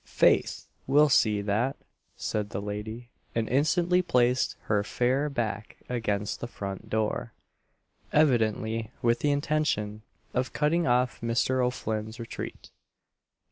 "'Faith, we'll see that," said the lady, and instantly placed her fair back against the front door, evidently with the intention of cutting off Mr. O'Flinn's retreat.